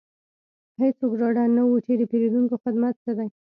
هیڅوک ډاډه نه وو چې د پیرودونکو خدمت څه دی